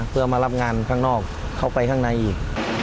เพื่อมารับงานข้างนอกเข้าไปข้างในอีก